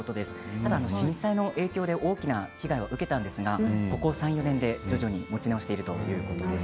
ただ震災で大きな被害を受けたんですがここ３、４年で徐々に持ち直しているということです。